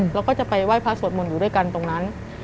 เราก็จะไปไหว้พระสวดมนต์อยู่ด้วยกันตรงนั้น